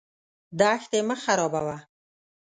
دښتې مه خرابوه.